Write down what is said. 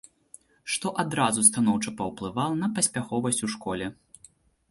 Што адразу станоўча паўплывала на паспяховасць у школе.